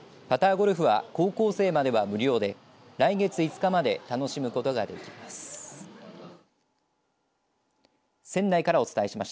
ゴルフは高校生までは無料で来月５日まで楽しむことができます。